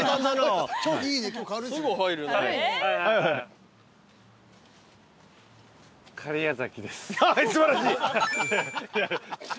素晴らしい。